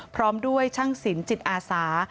พร้อมด้วยช่างสินจิตอาสา